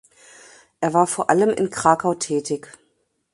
Er war vor allem in Krakau tätig.